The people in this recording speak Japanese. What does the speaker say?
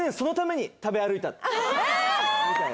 みたいな。